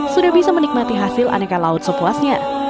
sudah bisa menikmati hasil aneka laut sepuasnya